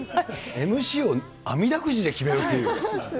ＭＣをあみだくじで決めるっていう。